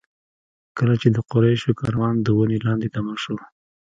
کله چې د قریشو کاروان د ونې لاندې دمه شو.